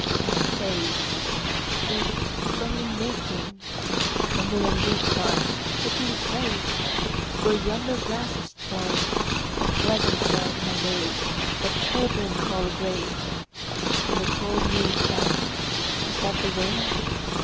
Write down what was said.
His spade, it Is only making, — (Tremble and weep not I What do you crave ?) Where yonder grasses twine, A pleasant bed, my maid, that Children call a grave, In the cold moonshine. Is that the wind